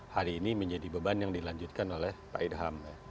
hari ini menjadi beban yang dilanjutkan oleh pak irham